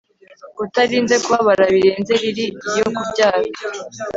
Utarinze kubabara birenze lili yo kubyara